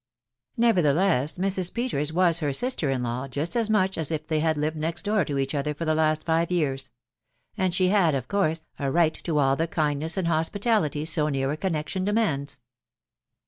Nevertheless Mrs. Peters was her sister in law just as much as if they had lived next door to each other for the last five years ; and she had, of course, a right to all the kindness and hospitality so near a connection demands.